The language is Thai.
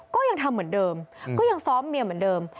ก็ยังทำเหมือนเดิมก็ยังซ้อมเมียเหมือนเดิม